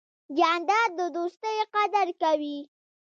جانداد د دوستۍ قدر کوي.